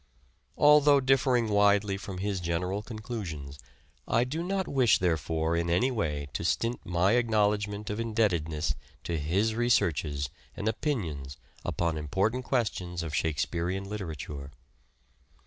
Although differing widely from his general conclusions I do not wish therefore in any way to stint my acknowledgment of indebtedness to his researches and opinions upon important questions of Shakespearean literature.